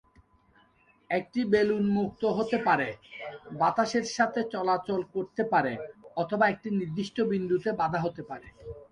একটি বেলুন মুক্ত হতে পারে, বাতাসের সাথে চলাচল করতে পারে, অথবা একটি নির্দিষ্ট বিন্দুতে বাঁধা হতে পারে।